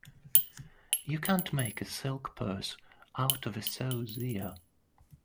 You can't make a silk purse out of a sow's ear.